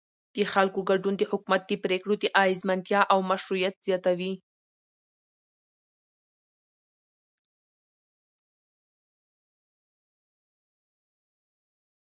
د خلکو ګډون د حکومت د پرېکړو د اغیزمنتیا او مشروعیت زیاتوي